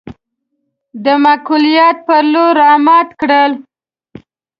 د معقوليت پر لور رامات کړل.